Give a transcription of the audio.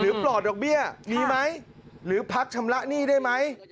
ปลอดดอกเบี้ยมีไหมหรือพักชำระหนี้ได้ไหม